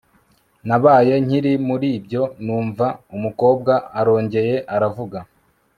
nabaye nkiri muribyo numva umukobwa arongeye aravuga